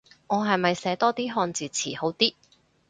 我係咪寫多啲漢字詞好啲